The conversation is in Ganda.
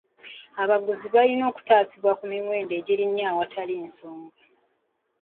Abaguzi balina okutaasibwa ku miwendo egirinnya awatali nsonga.